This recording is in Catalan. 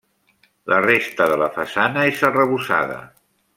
La resta de la façana és arrebossada.